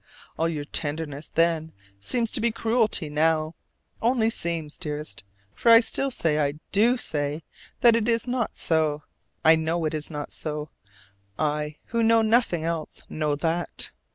All your tenderness then seems to be cruelty now: only seems, dearest, for I still say, I do say that it is not so. I know it is not so: I, who know nothing else, know that!